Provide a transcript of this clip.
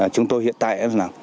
chúng tôi hiện tại